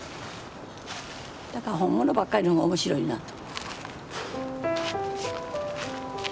だから本物ばっかりの方が面白いなと。